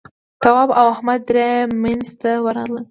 تواب او احمد درې مينځ ته ورغلل.